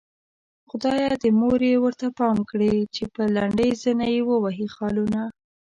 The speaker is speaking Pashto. خدايه د مور يې ورته پام کړې چې په لنډۍ زنه يې ووهي خالونه